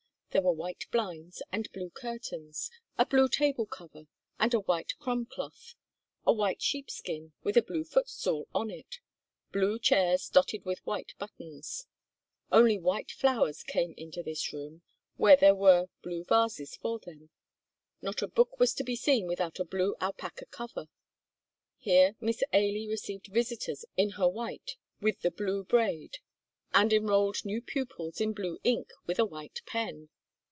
There were white blinds and blue curtains, a blue table cover and a white crumb cloth, a white sheepskin with a blue footstool on it, blue chairs dotted with white buttons. Only white flowers came into this room, where there were blue vases for them, not a book was to be seen without a blue alpaca cover. Here Miss Ailie received visitors in her white with the blue braid, and enrolled new pupils in blue ink with a white pen.